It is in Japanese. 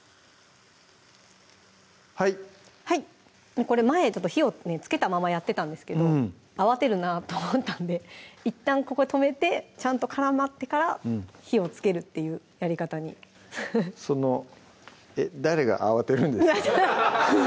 はいはいこれ前火をつけたままやってたんですけど慌てるなと思ったんでいったんここ止めてちゃんと絡まってから火をつけるっていうやり方にその誰が慌てるんですか？